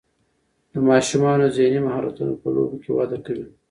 د ماشومانو ذهني مهارتونه په لوبو کې وده کوي.